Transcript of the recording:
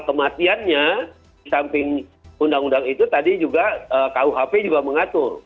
kematiannya di samping undang undang itu tadi juga kuhp juga mengatur